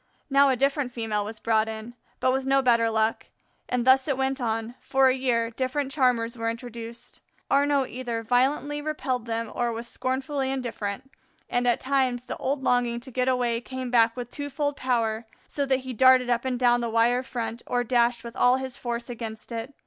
Now a different female was brought in, but with no better luck; and thus it went on for a year different charmers were introduced. Arnaux either violently repelled them or was scornfully indifferent, and at times the old longing to get away, came back with twofold power, so that he darted up and down the wire front or dashed with all his force against it.